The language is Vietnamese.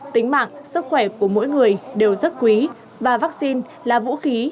tính mạng sức khỏe của mỗi người đều rất quý và vaccine là vũ khí